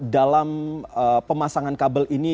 dalam pemasangan kabel ini